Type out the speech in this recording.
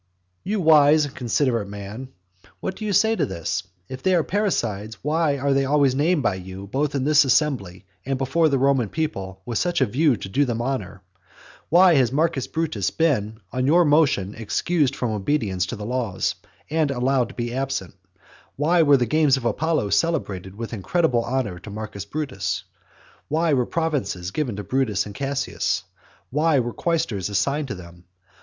You wise and considerate man, what do you say to this? If they are parricides, why are they always named by you, both in this assembly and before the Roman people, with a view to do them honour? Why has Marcus Brutus been, on your motion, excused from obedience to the laws, and allowed to be absent. Why were the games of Apollo celebrated with incredible honour to Marcus Brutus? why were provinces given to Brutus and Cassius? why were quaestors assigned to them?